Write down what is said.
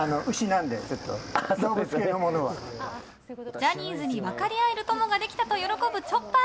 ジャニーズに分かり合える友ができたと喜ぶチョッパー。